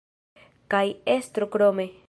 Kaj estro krome.